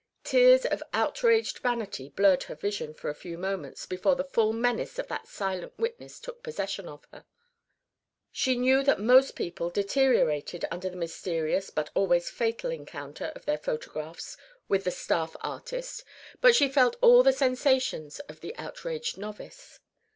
Tears of outraged vanity blurred her vision for a few moments before the full menace of that silent witness took possession of her. She knew that most people deteriorated under the mysterious but always fatal encounter of their photographs with the "staff artist," but she felt all the sensations of the outraged novice.